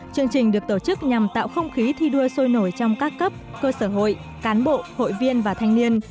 chương trình được tổ chức nhằm tạo không khí thi đua sôi nổi trong các cấp cơ sở hội cán bộ hội viên và thanh niên